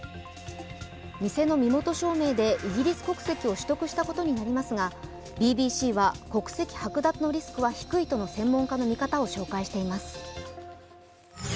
偽の証明でイギリス国籍を取得したことになりますが、ＢＢＣは国籍はく奪のリスクは低いとの洗練化の見方を示しています。